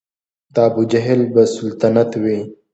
د ابوجهل به سلطنت وي